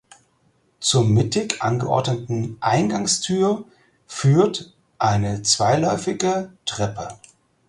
Zur mittig angeordneten Eingangstür führt eine zweiläufige Treppe.